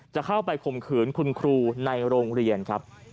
จะเข้าไปข่มขืนคุณครูในโรงเรียนครับ